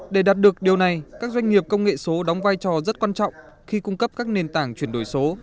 để đạt được điều này các doanh nghiệp công nghệ số đóng vai trò rất quan trọng khi cung cấp các nền tảng chuyển đổi số